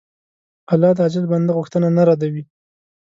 الله د عاجز بنده غوښتنه نه ردوي.